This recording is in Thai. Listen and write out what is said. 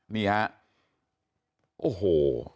นี่ครับโอ้โห